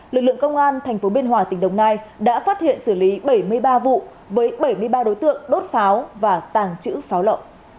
lực lượng công an thành phố biên hòa tỉnh đồng nai đã phát hiện xử lý bảy mươi ba vụ với bảy mươi ba đối tượng đốt pháo và tàng chữ pháo lộ